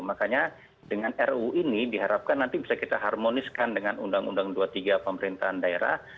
makanya dengan ruu ini diharapkan nanti bisa kita harmoniskan dengan undang undang dua puluh tiga pemerintahan daerah